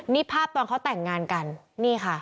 นี่ภาพตอนเขาแต่งงานกันนี่ค่ะ